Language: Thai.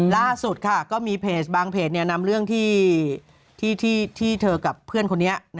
ล่าสุดค่ะก็มีเพจบางเพจนำเรื่องที่เธอกับเพื่อนคนนี้